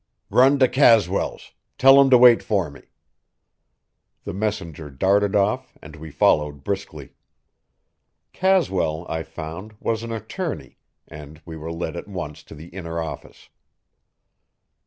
"Run to Caswell's. Tell him to wait for me." The messenger darted off and we followed briskly. Caswell, I found, was an attorney, and we were led at once to the inner office.